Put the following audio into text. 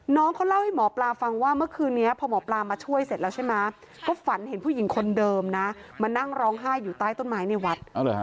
น้องเขาเล่าให้หมอปลาฟังว่าเมื่อคืนนี้พอหมอปลามาช่วยเสร็จแล้วใช่ไหมก็ฝันเห็นผู้หญิงคนเดิมนะมานั่งร้องไห้อยู่ใต้ต้นไม้ในวัด